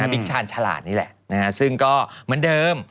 บิ๊กชาญฉลาดนี่แหละซึ่งก็เหมือนเดิม